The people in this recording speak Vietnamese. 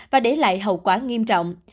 và để lại hậu quả nghiêm trọng